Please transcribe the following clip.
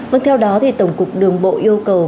vâng theo đó thì tổng cục đường bộ yêu cầu